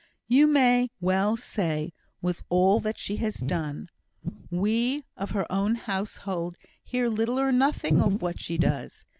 "You may well say 'with all that she has done!' We of her own household hear little or nothing of what she does.